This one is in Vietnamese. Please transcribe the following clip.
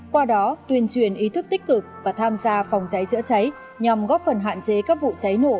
qua đó tuyên truyền ý thức tích cực và tham gia phòng cháy chữa cháy nhằm góp phần hạn chế các vụ cháy nổ